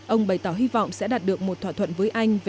ông bày tỏ hy vọng sẽ đạt được một thỏa thuận